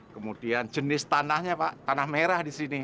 kemudian jenis tanahnya pak tanah merah disini